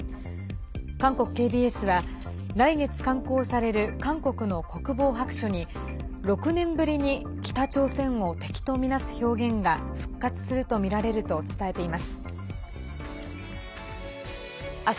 韓国ＫＢＳは来月、刊行される韓国の国防白書に６年ぶりに北朝鮮を敵とみなす表現が復活するとみられると伝えています。